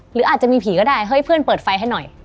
หรืออาจจะมีผีก็ได้เฮ้ยเพื่อนเปิดไฟให้หน่อย